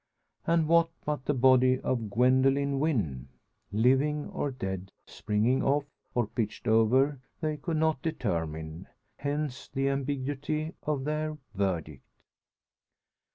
And what but the body of Gwendoline Wynn? Living or dead, springing off, or pitched over, they could not determine. Hence the ambiguity of their verdict.